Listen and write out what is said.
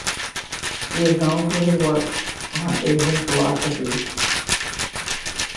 He is known for his works on Asian philosophies.